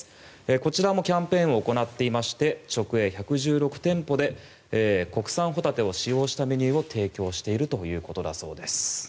こちらもキャンペーンを行っていまして直営１１６店舗で国産ホタテを使用したメニューを提供しているということだそうです。